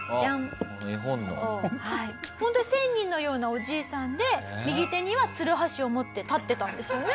ホントに仙人のようなおじいさんで右手にはツルハシを持って立ってたんですよね？